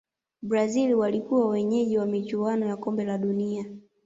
brazil walikuwa wenyeji wa michuano ya kombe la dunia